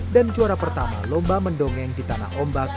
dan juara pertama lomba membaca puisi di kampung